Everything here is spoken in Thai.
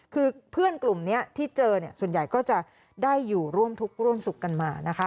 คือเพื่อนกลุ่มนี้ที่เจอเนี่ยส่วนใหญ่ก็จะได้อยู่ร่วมทุกข์ร่วมสุขกันมานะคะ